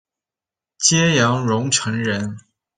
揭阳榕城人。